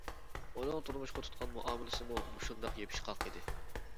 ئۇنىڭ تۇرمۇشقا تۇتقان مۇئامىلىسىمۇ مۇشۇنداق يېپىشقاق ئىدى.